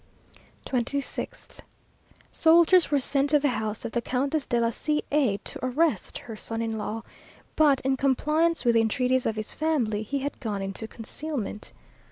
26th. Soldiers were sent to the house of the Countess de la C a, to arrest her son in law, but in compliance with the entreaties of his family, he had gone into concealment.